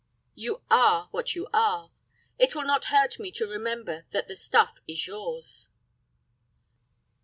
"You are what you are. It will not hurt me to remember that the stuff is yours."